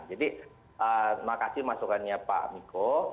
jadi terima kasih masukan nya pak miko